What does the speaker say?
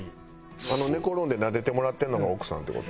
あの寝転んでなでてもらってるのが奥さんって事？